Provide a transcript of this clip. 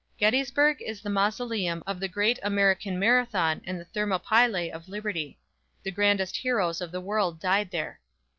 Gettysburg is the mausoleum of the American Marathon and the Thermopylæ of Liberty. The grandest heroes of the world died here.